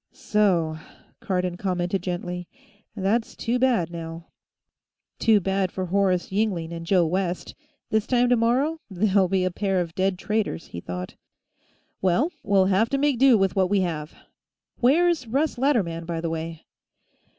"So?" Cardon commented gently. "That's too bad, now." Too bad for Horace Yingling and Joe West; this time tomorrow, they'll be a pair of dead traitors, he thought. "Well, we'll have to make do with what we have. Where's Russ Latterman, by the way?"